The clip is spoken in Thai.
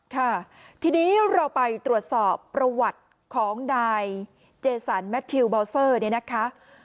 ค่ะทีนี้เราไปตรวจสอบประวัติของนายเจสันแมททิวบอลเซอร์เนี่ยนะคะ